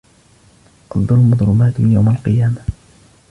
الظلم ظلمات يوم القيامة